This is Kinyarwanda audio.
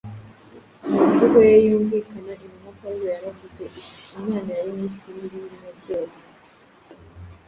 Mu mvugo ye yumvikana intumwa Pawulo yaravuze ati, “Imana yaremye isi n’ibiyirimo byose,